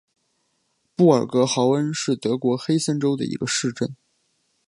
布尔格豪恩是德国黑森州的一个市镇。